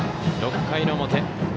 ６回の表。